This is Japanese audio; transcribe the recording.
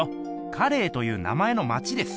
「カレー」という名前の町です。